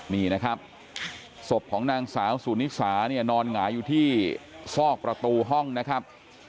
นี่นะครับศพของนางสาวสุนิสาเนี่ยนอนหงายอยู่ที่ซอกประตูห้องนะครับ